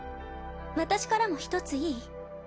私からも一ついい？